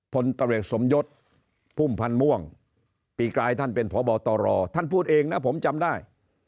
พลตำรวจสมยศพุ่มพันธ์ม่วงปีกลายท่านเป็นพบตรท่านพูดเองนะผมจำได้